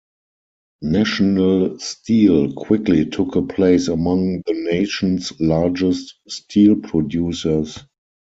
National Steel quickly took a place among the nation's largest steel producers.